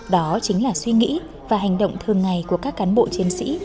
đó chính là suy nghĩ và hành động thường ngày của các cán bộ chiến sĩ